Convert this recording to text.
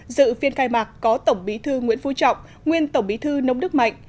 dự phiên khai mạc có tổng bí thư nguyễn phú trọng nguyên tổng bí thư nông đức mạnh